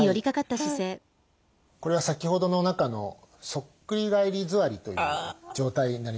これは先ほどの中のそっくり返り座りという状態になりますね。